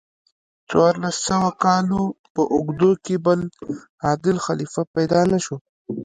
څوارلس سوو کالو په اوږدو کې بل عادل خلیفه پیدا نشو.